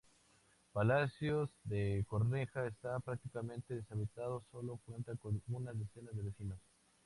Palacios de Corneja está prácticamente deshabitado, sólo cuenta con unas decenas de vecinos.